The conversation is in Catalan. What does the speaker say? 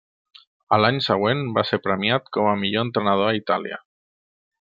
A l'any següent va ser premiat com a millor entrenador a Itàlia.